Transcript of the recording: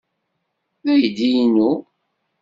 D aydi-inu.